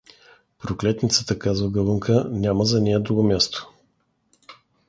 — Проклетницата — казва Галунка. — Няма за нея друго място.